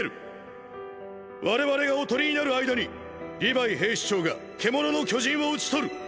我々が囮になる間にリヴァイ兵士長が獣の巨人を討ち取る！！